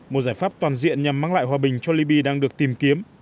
một giải pháp toàn diện nhằm mang lại hòa bình cho libya đang được tìm kiếm